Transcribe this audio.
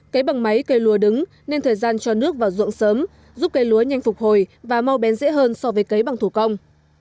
cấy bằng máy cây lúa đứng nên thời gian cho nước vào ruộng sớm giúp cây lúa nhanh phục hồi và mau bén dễ hơn so với cấy bằng thủ công